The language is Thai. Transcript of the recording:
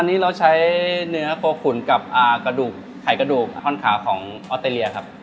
อันนี้เราใช้เนื้อโคขุนกับกระดูกไขกระดูกท่อนขาของออสเตรเลียครับ